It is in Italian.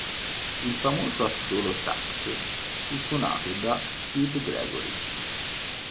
Il famoso assolo sax fu suonato da Steve Gregory.